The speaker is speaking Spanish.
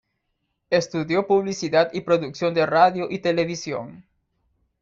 Estudió Publicidad y Producción de Radio y Televisión.